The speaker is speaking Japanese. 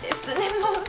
もう。